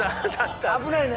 危ないね。